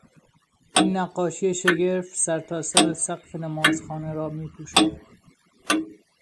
این نقاشی شگرف، سرتاسر سقف نمازخانه را می پوشاند.